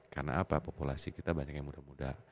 karena apa populasi kita banyak yang muda muda